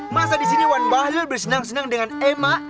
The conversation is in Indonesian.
masa di sini wan bahlil bersenang senang dengan emma